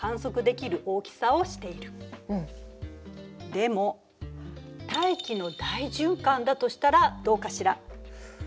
でも大気の大循環だとしたらどうかしら？